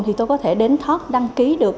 thì tôi có thể đến thoát đăng ký được